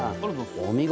お見事！